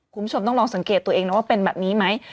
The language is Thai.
คุณผู้ชมต้องลองสังเกตตัวเองนะว่าเป็นแบบนี้ไหม